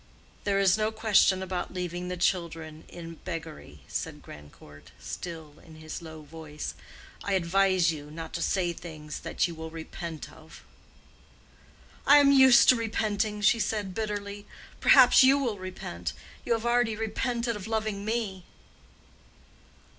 "There is no question about leaving the children in beggary," said Grandcourt, still in his low voice. "I advise you not to say things that you will repent of." "I am used to repenting," said she, bitterly. "Perhaps you will repent. You have already repented of loving me."